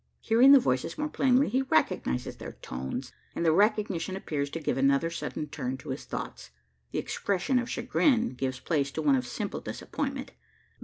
Hearing the voices more plainly, he recognises their tones; and the recognition appears to give another sudden turn to his thoughts. The expression of chagrin gives place to one of simple disappointment.